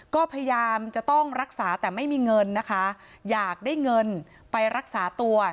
ก็พยายามจะต้องรักษาแต่ไม่มีเงินนะคะอยากได้เงินไปรักษาตัว